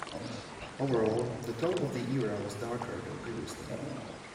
Overall, the tone of the era was darker than previously.